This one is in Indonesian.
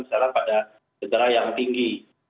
misalnya pada segera yang tinggi